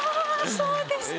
そうですか。